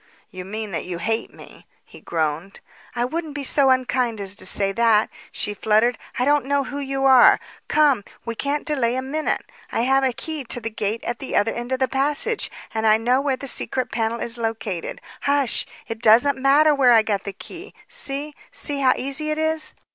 "You mean that you hate me," he groaned. "I wouldn't be so unkind as to say that," she fluttered. "I don't know who you are. Come; we can't delay a minute. I have a key to the gate at the other end of the passage and I know where the secret panel is located. Hush! It doesn't matter where I got the key. See! See how easy it is?"